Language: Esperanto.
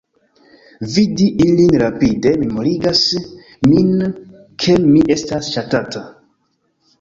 Vidi ilin rapide memorigas min ke mi estas ŝatata.